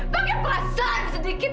pakai perasaan sedikit